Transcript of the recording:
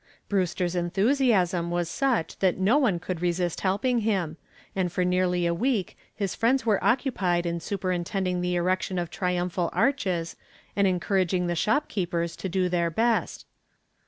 Brewster's enthusiasm was such that no one could resist helping him, and for nearly a week his friends were occupied in superintending the erection of triumphal arches and encouraging the shopkeepers to do their best.